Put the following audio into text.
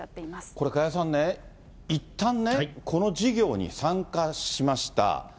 これ、加谷さんね、いったんね、この事業に参加しました。